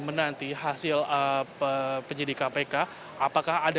menanti hasil penyidik kpk apakah ada